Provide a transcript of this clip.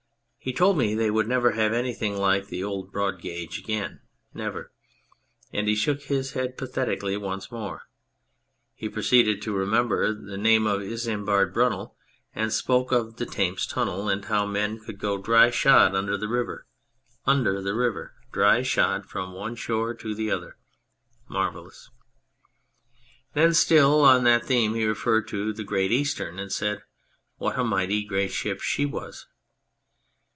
He told me they would never have anything like the old broad gauge again never; and he shook his head pathetically once more. He proceeded to remember the name of Isambard Brunei, and he spoke of the Thames Tunnel and how men could go dry shod under the river. " Under the 114 The Abstracted Man river ! Dry shod from one shore to the other ! Marvellous. ..." Then, still on that theme, he referred to the Great Eastern and said what a mighty great ship she was.